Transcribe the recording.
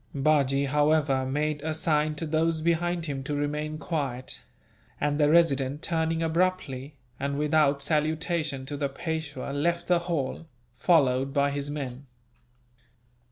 Bajee, however, made a sign to those behind him to remain quiet; and the Resident, turning abruptly, and without salutation to the Peishwa, left the hall, followed by his men.